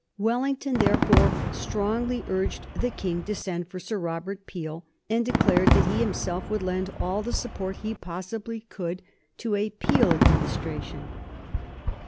Wellington therefore strongly urged the King to send for Sir Robert Peel, and declared that he himself would lend all the support he possibly could to a Peel Administration.